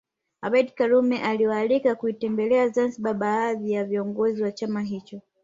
Abeid Karume aliwaalika kuitembelea Zanzibar baadhi ya viongozi wa chama hicho